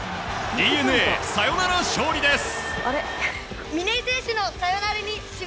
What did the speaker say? ＤｅＮＡ、サヨナラ勝利です。